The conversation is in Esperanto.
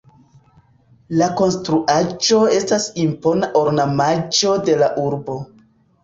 La konstruaĵo estas impona ornamaĵo de la urbo.